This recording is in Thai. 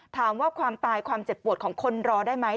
ความตายความเจ็บปวดของคนรอได้ไหม